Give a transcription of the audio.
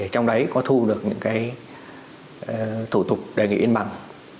trong đấy có thu được những thủ tục đề nghị in bằng